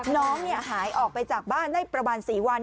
น้องหายออกไปจากบ้านได้ประมาณ๔วัน